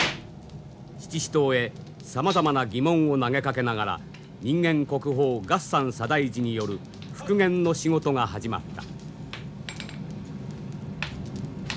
七支刀へさまざまな疑問を投げかけながら人間国宝月山貞一による復元の仕事が始まった。